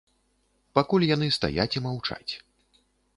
Пакуль яны стаяць і маўчаць.